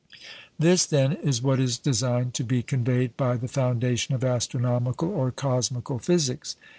This, then, is what is designed to be conveyed by the "foundation of astronomical or cosmical physics."